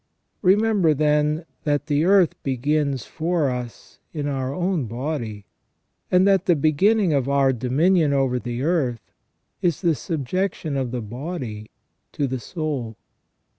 Remem ber, then, that the earth begins for us in our own body, and that the beginning of our dominion over the earth is the subjection of the body to the soul.